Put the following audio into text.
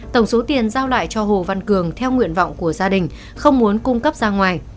tổng số tiền giao lại cho hồ văn cường theo nguyện vọng của gia đình không muốn cung cấp ra ngoài